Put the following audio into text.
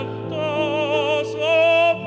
ไม่ชอบ